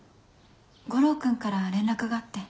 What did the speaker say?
悟郎君から連絡があって。